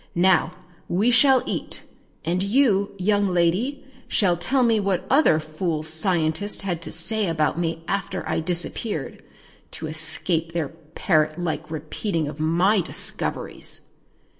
Now we shall eat, and you, young lady, shall tell me what other fool scientists had to say about me after I disappeared to escape their parrot like repeating of my discoveries!"